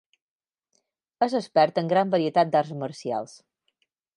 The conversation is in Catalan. És expert en gran varietat d'arts marcials.